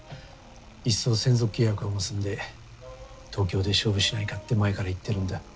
いっそ専属契約を結んで東京で勝負しないかって前から言ってるんだ。